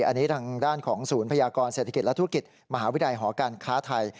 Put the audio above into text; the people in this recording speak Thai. อันนี้ทางด้านของศูนย์พยากรเศรษฐกิจและธุรกิจมหาวิทยาลัยหอการค้าไทย